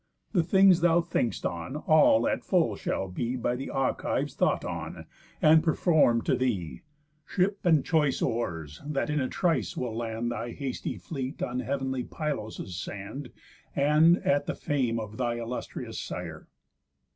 The things thou think'st on, all at full shall be By th' Achives thought on, and perform'd to thee; Ship, and choice oars, that in a trice will land Thy hasty fleet on heav'nly Pylos' sand, And at the fame of thy illustrious sire."